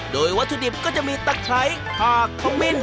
โดยวัตถุดิบก็จะมีตะไคร้ผากขมิ้น